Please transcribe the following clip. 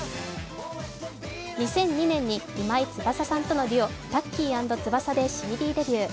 ２００２年に今井翼さんとのデュオタッキー＆翼でＣＤデビュー。